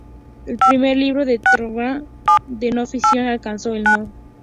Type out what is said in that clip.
El primer libro de Tyndale de no ficción alcanzó el No.